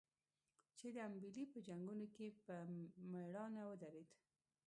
چې د امبېلې په جنګونو کې په مړانه ودرېد.